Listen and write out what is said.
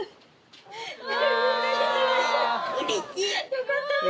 よかったね